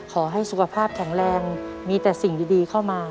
ขอให้สุขภาพแข็งแรงมีแต่สิ่งดีเข้ามา